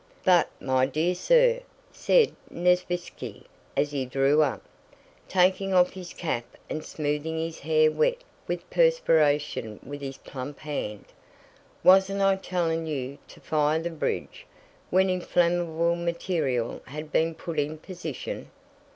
"But, my dear sir," said Nesvítski as he drew up, taking off his cap and smoothing his hair wet with perspiration with his plump hand, "wasn't I telling you to fire the bridge, when inflammable material had been put in position?"